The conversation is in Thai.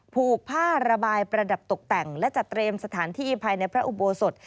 ผูกผ้าระบายประดับตกแต่งและจัดเตรียมสถานที่ภายในพระอุโบสถ